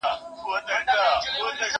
زه اوږده وخت کتابتون ته ځم؟!